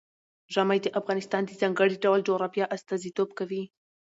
ژمی د افغانستان د ځانګړي ډول جغرافیه استازیتوب کوي.